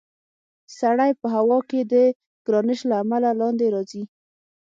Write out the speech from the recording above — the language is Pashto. سړی په هوا کې د ګرانش له امله لاندې راځي.